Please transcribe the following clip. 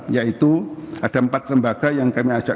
yaitu ada empat lembaga yang kami ajak